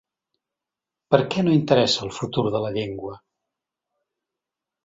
Per què no interessa el futur de la llengua?